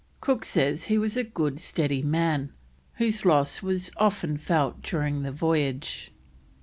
Cook says he was a good, steady man, whose loss was often felt during the voyage.